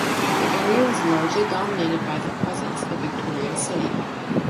The area was largely dominated by the presence of Victoria City.